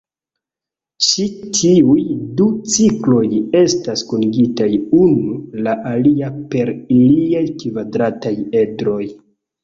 Ĉi tiuj du cikloj estas kunigitaj unu la alia per iliaj kvadrataj edroj.